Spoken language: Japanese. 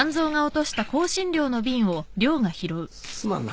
すまんな。